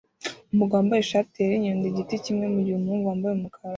Umugabo wambaye ishati yera inyundo igiti kimwe mugihe umuhungu wambaye umukara